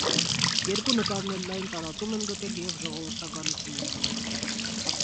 Երկու նկարն էլ լայն տարածում են գտել և ժողովրդականություն են վայելել։